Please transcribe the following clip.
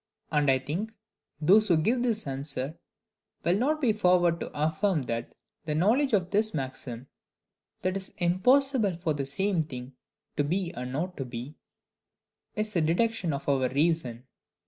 And I think those who give this answer will not be forward to affirm that the knowledge of this maxim, "That it is impossible for the same thing to be and not to be," is a deduction of our reason.